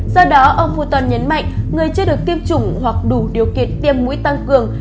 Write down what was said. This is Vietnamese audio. do đó ông puton nhấn mạnh người chưa được tiêm chủng hoặc đủ điều kiện tiêm mũi tăng cường